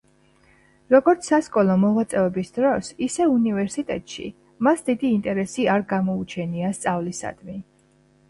როგორც სასკოლო მოღვაწეობის დროს, ისე უნივერსიტეტში მას დიდი ინტერესი არ გამოუჩენია სწავლისადმი.